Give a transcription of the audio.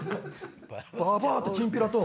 ババアとチンピラと。